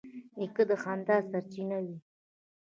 نیکه د خندا سرچینه وي.